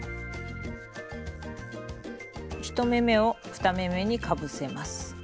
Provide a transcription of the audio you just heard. １目めを２目めにかぶせます。